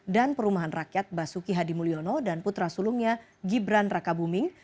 dan perumahan rakyat basuki hadimulyono dan putra sulungnya gibran rakabuming